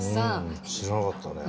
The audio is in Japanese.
知らなかったね。